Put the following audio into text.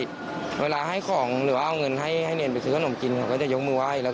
ว่าเวลาให้ของหรือว่าเอาเงินให้ให้เนยืนไปซื้อกล้องกินก็จะยกมือไฟแล้ว